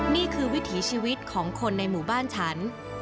นี่คือวิถีชีวิตของคนในหมู่บ้านฉัน